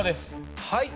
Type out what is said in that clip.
はい。